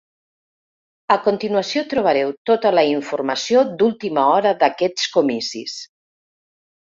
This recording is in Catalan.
A continuació trobareu tota la informació d’última hora d’aquests comicis.